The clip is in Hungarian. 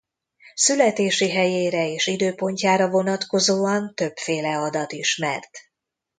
Születése helyére és időpontjára vonatkozóan többféle adat ismert.